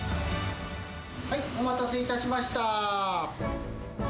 はい、お待たせいたしました。